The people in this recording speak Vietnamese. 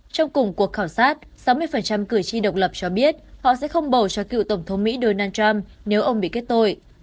trong cùng cuộc khảo sát sáu mươi cử tri độc lập cho biết họ sẽ không bầu cho cựu tổng thống mỹ donald trump nếu ông bị kết tội